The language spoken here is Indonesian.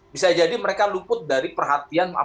bisa jadi mereka luput dari perhatian